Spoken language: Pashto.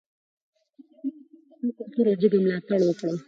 اجمل خټک د پښتنو کلتور او ژبې ملاتړ وکړ.